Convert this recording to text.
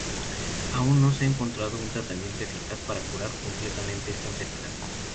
Aún no se ha encontrado un tratamiento eficaz para curar completamente esta enfermedad.